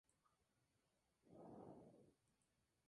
El fusil Dreyse fue usado por Prusia.